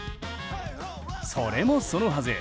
それもそのはず